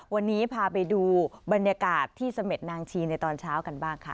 วันนี้พาไปดูบรรยากาศที่เสม็ดนางชีในตอนเช้ากันบ้างค่ะ